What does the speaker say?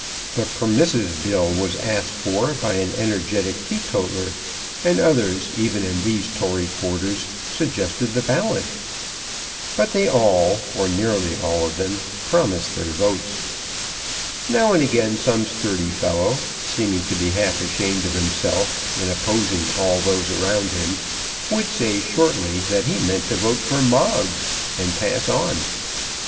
The Permissive Bill was asked for by an energetic teetotaller; and others, even in these Tory quarters, suggested the ballot. But they all, or nearly all of them, promised their votes. Now and again some sturdy fellow, seeming to be half ashamed of himself in opposing all those around him, would say shortly that he meant to vote for Moggs, and pass on.